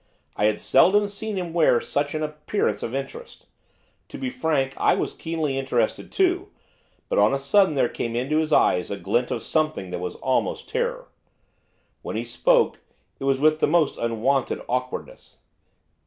I had seldom seen him wear such an appearance of interest, to be frank, I was keenly interested too! but, on a sudden there came into his eyes a glint of something that was almost terror. When he spoke, it was with the most unwonted awkwardness.